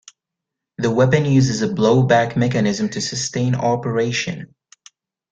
The weapon uses a blowback mechanism to sustain operation.